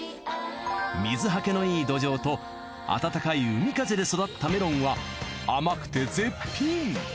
水はけのいい土壌と暖かい海風で育ったメロンは甘くて絶品。